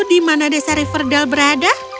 di mana desa riverdal berada